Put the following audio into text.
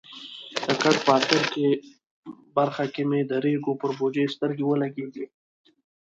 د کټ په اخره برخه کې مې د ریګو پر بوجیو سترګې ولګېدې.